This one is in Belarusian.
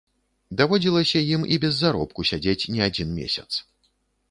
Даводзілася ім і без заробку сядзець не адзін месяц.